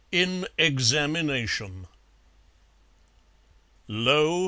In Examination Lo!